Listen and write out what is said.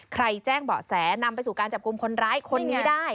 แจ้งเบาะแสนำไปสู่การจับกลุ่มคนร้ายคนนี้ได้